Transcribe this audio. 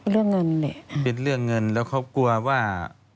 เรื่องเงินนี่เป็นเรื่องเงินแล้วเขากลัวว่า